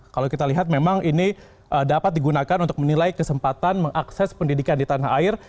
kalau kita lihat memang ini dapat digunakan untuk menilai kesempatan mengakses pendidikan di tanah air